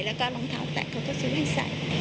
แล้วก็รองเท้าแตะเขาก็ซื้อให้ใส่